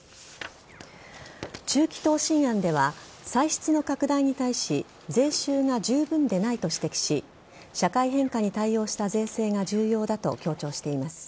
中期答申案では歳出の拡大に対し税収が十分でないと指摘し社会変化に対応した税制が重要だと強調しています。